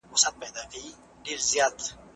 چارواکو د اقتصاد په اړه پریکړې کړې دي.